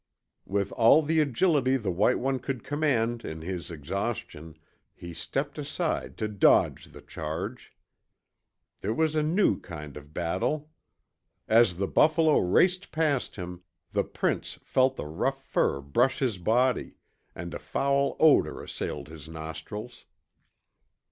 With all the agility the white one could command in his exhaustion, he stepped aside to dodge the charge. Here was a new kind of battle! As the buffalo raced past him, the prince felt the rough fur brush his body, and a foul odor assailed his nostrils.